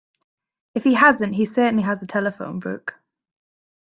If he hasn't he certainly has a telephone book.